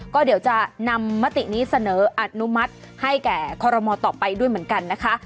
ก็เดี๋ยวจะนำมตินี้เสนออนุมัติให้แก่คอรมอต่อไปด้วยเหมือนกันนะคะ